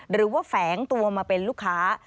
หรือว่าแฝงตัวมาเป็นลูกค้า